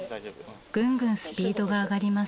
ぐんぐんスピードが上がります。